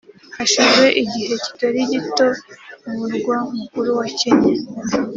Hashize igihe kitari gito umurwa mukuru wa Kenya